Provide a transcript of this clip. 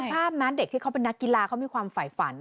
ภาพนะเด็กที่เขาเป็นนักกีฬาเขามีความฝ่ายฝัน